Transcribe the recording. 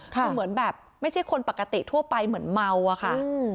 คือเหมือนแบบไม่ใช่คนปกติทั่วไปเหมือนเมาอะค่ะ